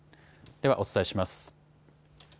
では、お伝えします。